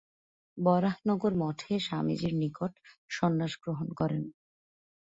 বরাহনগর মঠে স্বামীজীর নিকট সন্ন্যাস গ্রহণ করেন।